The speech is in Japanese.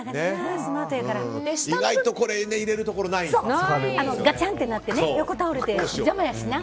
意外とこれ入れるところがないんですよね。